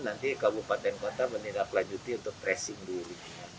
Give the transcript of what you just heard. nanti kabupaten kota menindaklanjuti untuk tracing dulu